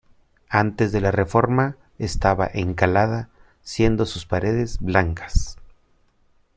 Antes de la reforma estaba encalada siendo sus paredes blancas.